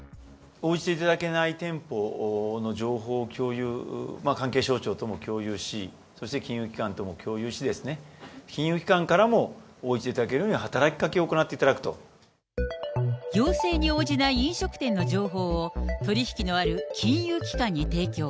応じていただけない店舗の情報を共有、関係省庁とも共有し、そして金融機関とも共有してですね、金融機関からも応じていただけるように働きかけを行っていただく要請に応じない飲食店の情報を、取り引きのある金融機関に提供。